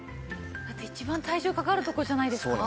だって一番体重かかるとこじゃないですか？